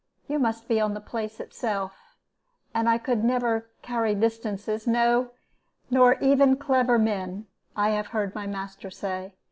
You must be on the place itself; and I never could carry distances no, nor even clever men, I have heard my master say.